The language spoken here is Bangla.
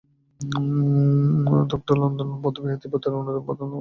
দ্গা'-ল্দান বৌদ্ধবিহার তিব্বতের অন্যতম প্রধান একটি ধর্মীয় বিশ্বপবিদ্যালয় হিসেবে গড়ে ওঠে।